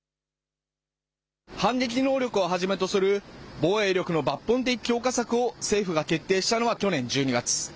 反撃能力をはじめとする防衛力の抜本的強化策を政府が決定したのは去年１２月。